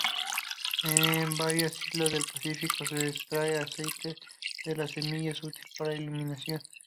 En varias islas del Pacífico se extrae aceite de las semillas, útil para iluminación.